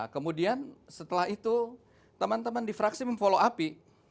kemudian setelah itu teman teman di fraksi memfollow api